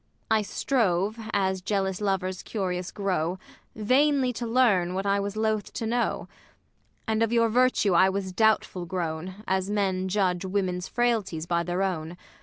I strove, as jealous lovers curious grow, Vainly to learn, wliat I was loth to know. And of your virtue I was doubtful grown. As men judge womini's frailties by their own.